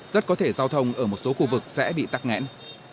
rất có thể giao thông ở một số khu vực sẽ bị tắc nghẽn